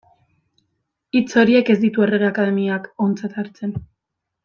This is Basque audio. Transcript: Hitz horiek ez ditu Errege Akademiak ontzat hartzen.